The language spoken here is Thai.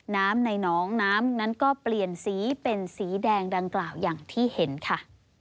น้ำในน้องน้ำนั้นก็เปลี่ยนสีเป็นสีแดงดังกล่าวอย่างที่เห็นค่ะ